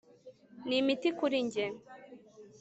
ni imiti kuri njye